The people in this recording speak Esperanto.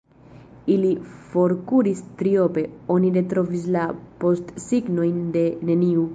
Ili forkuris triope: oni retrovis la postsignojn de neniu.